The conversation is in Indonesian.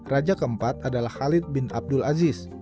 raja keempat adalah khalid bin abdul aziz